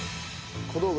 小道具